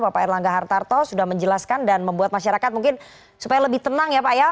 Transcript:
bapak erlangga hartarto sudah menjelaskan dan membuat masyarakat mungkin supaya lebih tenang ya pak ya